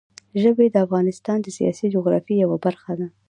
ژبې د افغانستان د سیاسي جغرافیه یوه برخه ده.